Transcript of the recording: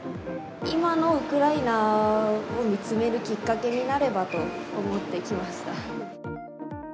今のウクライナを見つめるきっかけになればと思って来ました。